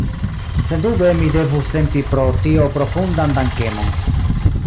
Sendube mi devus senti pro tio profundan dankemon.